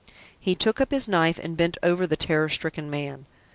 He took up his knife and bent over the terror stricken man.